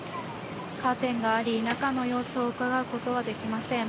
カーテンがあり、中の様子をうかがうことはできません。